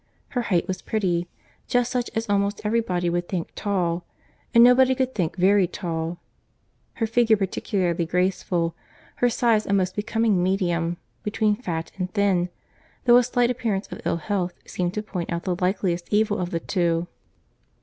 Her height was pretty, just such as almost every body would think tall, and nobody could think very tall; her figure particularly graceful; her size a most becoming medium, between fat and thin, though a slight appearance of ill health seemed to point out the likeliest evil of the two.